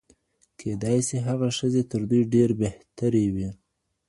کيدای سي هغه ښځي تر دوی ډيري بهتري وي.